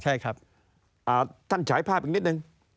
อ่าท่านฉายภาพอีกนิดนึง